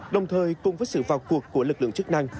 đồng thời cùng với sự vào cuộc của lực lượng chức năng